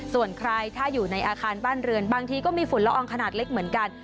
ส่วนใครถ้าอยู่ในอาคารบ้านเรือนบางทีก็มีฝุ่นละอองขนาดเล็กเหมือนกัน